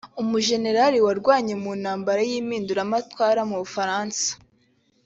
umujenerali warwanye mu ntambara y’impinduramatwara mu Bufaransa